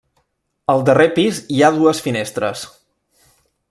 Al darrer pis hi ha dues finestres.